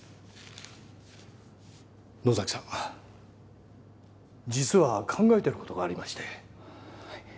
野崎さん、実は考えていることがありまして。